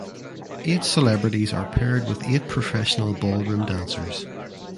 Eight celebrities are paired with eight professional ballroom dancers.